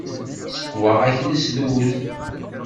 Seqwaɣ-ak lesdud.